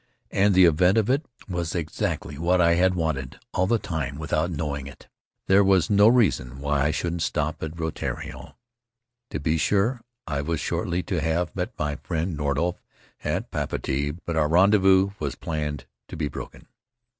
And the event of it was exactly what I had wanted all the time without know ing it. There was no reason why I shouldn't stop at Rutiaro. To be sure, I was shortly to have met my friend NordhofT at Papeete, but our rendezvous was planned to be broken.